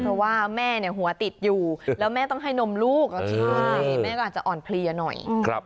เพราะว่าแม่เนี่ยหัวติดอยู่แล้วแม่ต้องให้นมลูกแม่ก็อาจจะอ่อนเพลียหน่อย